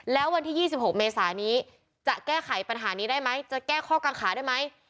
แล้ววันที่๒๖เมษานี้จะแก้ไขปัญหานี้ได้ไหมจะแก้ข้อกังขาได้ไหม